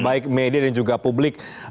baik media dan juga publik